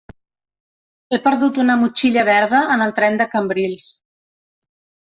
He perdut una motxilla verda en el tren de Cambrils.